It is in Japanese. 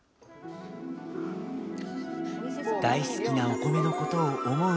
大好きなお米のことを思う